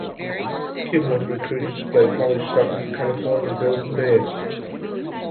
Kim was recruited to play college soccer for California Golden Bears.